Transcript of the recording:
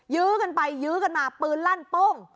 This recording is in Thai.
ยื้อกันไปยื้อกันมาปืนลั่นโป้ง